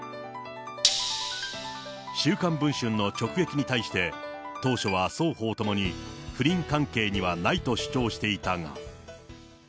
週刊文春の直撃に対して、当初は双方ともに不倫関係にはないと主張していたが。